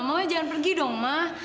mama jangan pergi dong ma